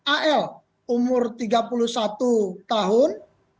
al umur tiga puluh satu tahun